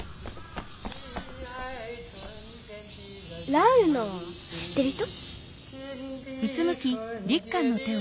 ランウの知ってる人？